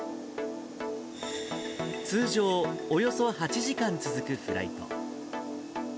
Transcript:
通常およそ８時間続くフライト。